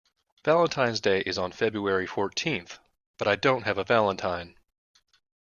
Valentine's Day is on February fourteenth, but I don't have a valentine.